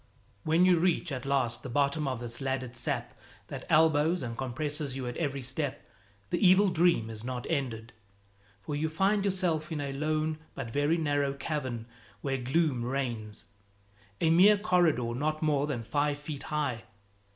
When you reach at last the bottom of this laddered sap that elbows and compresses you at every step, the evil dream is not ended, for you find yourself in a lone but very narrow cavern where gloom reigns, a mere corridor not more than five feet high.